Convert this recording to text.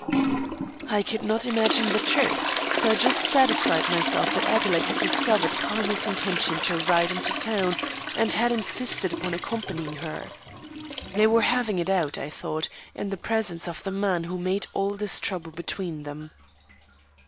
"I could not imagine the truth, so I just satisfied myself that Adelaide had discovered Carmel's intentions to ride into town and had insisted on accompanying her. They were having it out, I thought, in the presence of the man who had made all this trouble between them."